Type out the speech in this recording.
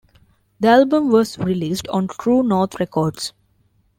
The album was released on True North Records.